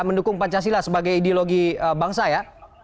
mendukung pancasila sebagai ideologi bangsa ya